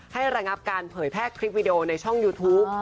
ระงับการเผยแพร่คลิปวิดีโอในช่องยูทูป